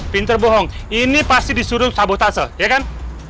pinter bohong ini pasti disuruh sabotase ya kan